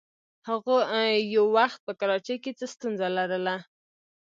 هغې یو وخت په کراچۍ کې څه ستونزه لرله.